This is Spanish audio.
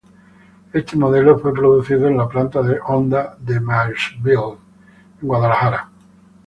Este modelo fue producido en la planta de Honda en Marysville, Ohio.